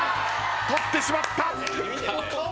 取ってしまった。